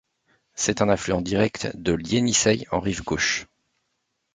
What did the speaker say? C'est un affluent direct de l'Ienisseï en rive gauche.